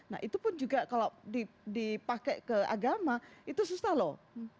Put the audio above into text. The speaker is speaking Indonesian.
nah itu pun juga kalau dipakai ke agama itu susah loh